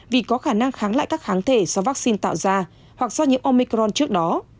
vì có khả năng kháng lại các kháng thể do vaccine tạo ra hoặc do nhiễm omicron trước đó